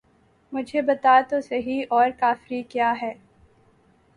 مجھے بتا تو سہی اور کافری کیا ہے!